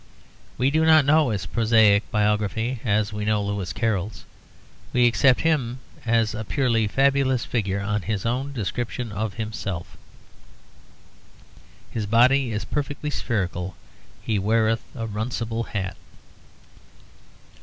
We do not know his prosaic biography as we know Lewis Carroll's. We accept him as a purely fabulous figure, on his own description of himself: 'His body is perfectly spherical, He weareth a runcible hat.'